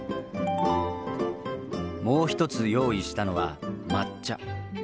もう１つ用意したのは抹茶。